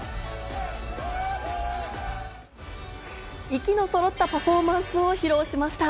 息のそろったパフォーマンスを披露しました。